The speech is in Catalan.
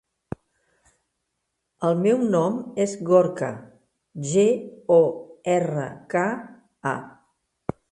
El meu nom és Gorka: ge, o, erra, ca, a.